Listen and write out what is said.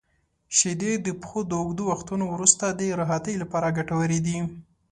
• شیدې د پښو د اوږدو وختونو وروسته د راحتۍ لپاره ګټورې دي.